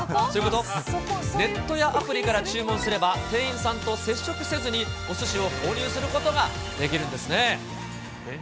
ネットやアプリから注文すれば、店員さんと接触せずにおすしを購入することができるんですね。